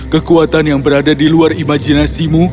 kekuatan yang berada di luar imajinasimu